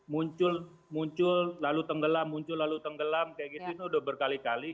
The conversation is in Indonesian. muncul muncul lalu tenggelam muncul lalu tenggelam kayak gitu ini udah berkali kali